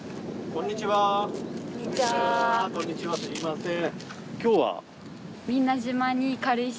こんにちは。